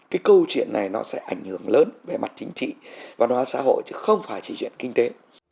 cái câu chuyện này nó sẽ ảnh hưởng lớn về mặt chính trị văn hóa xã hội chứ không phải chỉ chuyện kinh tế